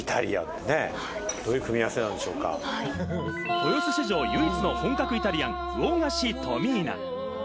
豊洲市場唯一の本格イタリアン・魚河岸トミーナ。